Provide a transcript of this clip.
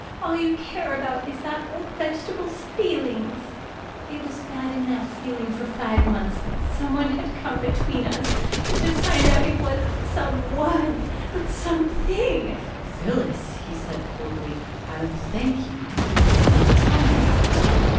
All you care about is that old vegetable's feelings! It was bad enough, feeling for five months that someone had come between us, but to find out it wasn't some_one_ but some_thing_ !" "Phyllis," he said coldly, "I'll thank you to keep a civil tongue in your head."